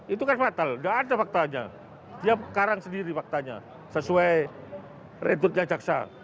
itu kan fatal gak ada faktanya dia karang sendiri faktanya sesuai redutnya jaksa